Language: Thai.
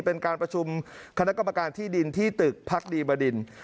เป็นการประชุมคณะกรรมการที่ดินที่ตึกพักดีบดิน